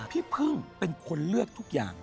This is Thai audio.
พี่พึ่งเป็นคนเลือกทุกอย่าง